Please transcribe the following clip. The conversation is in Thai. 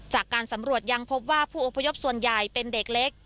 จากการสำรวจยังพบว่าผู้อพยพส่วนใหญ่เป็นเด็กเล็ก